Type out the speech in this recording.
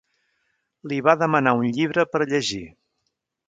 Li va demanar un llibre per llegir.